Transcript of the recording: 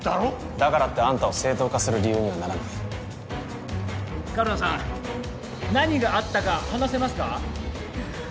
だからってあんたを正当化する理由にはならないカルナさん何があったか話せますか？